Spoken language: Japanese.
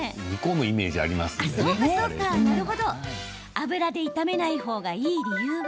油で炒めない方がいい理由は？